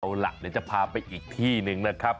เอาล่ะเดี๋ยวจะพาไปอีกที่หนึ่งนะครับ